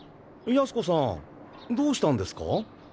ヤスコさんどうしたんですか？